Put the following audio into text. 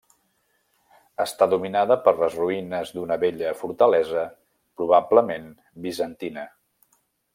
Està dominada per les ruïnes d'una vella fortalesa probablement bizantina.